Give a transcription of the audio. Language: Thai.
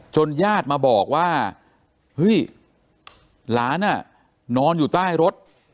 ญาติมาบอกว่าเฮ้ยหลานนอนอยู่ใต้รถ